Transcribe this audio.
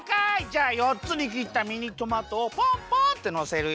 じゃあ４つにきったミニトマトをポンポンってのせるよ！